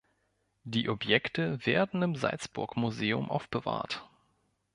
Die Objekte werden im Salzburg Museum aufbewahrt.